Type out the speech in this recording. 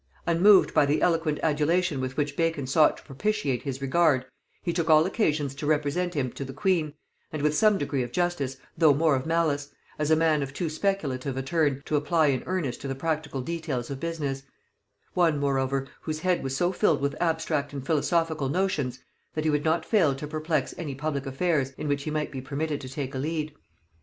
Unmoved by the eloquent adulation with which Bacon sought to propitiate his regard, he took all occasions to represent him to the queen, and with some degree of justice though more of malice, as a man of too speculative a turn to apply in earnest to the practical details of business; one moreover whose head was so filled with abstract and philosophical notions, that he would not fail to perplex any public affairs in which he might be permitted to take a lead.